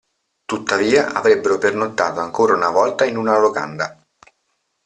Tuttavia, avrebbero pernottato ancora una volta in una locanda.